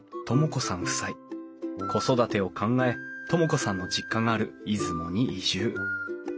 子育てを考え知子さんの実家がある出雲に移住。